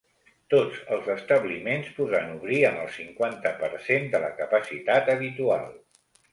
Tots els establiments podran obrir amb el cinquanta per cent de la capacitat habitual.